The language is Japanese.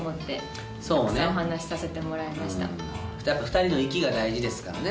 ２人の息が大事ですからね